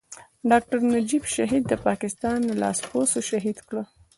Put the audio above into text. ډاکټر نجيب شهيد د پاکستان لاسپوڅو شهيد کړ.